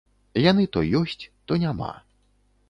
Яны то ёсць, то няма.